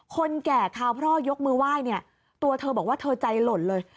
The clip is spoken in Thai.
คนแก่คาวพ่อยกมือไหว้เนี่ยตัวเธอบอกว่าเธอใจหล่นเลย